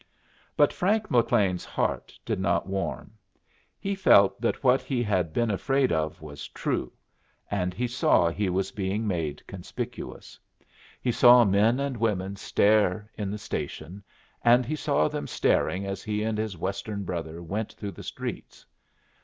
But Frank McLean's heart did not warm. He felt that what he had been afraid of was true; and he saw he was being made conspicuous. He saw men and women stare in the station, and he saw them staring as he and his Western brother went through the streets.